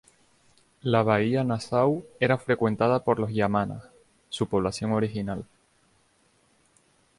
La bahía Nassau era frecuentada por los yámanas, su población original.